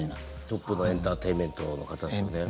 トップのエンターテインメントの方ですよね。